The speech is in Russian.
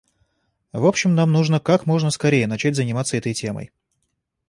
В общем, нам нужно как можно скорее начать заниматься этой темой.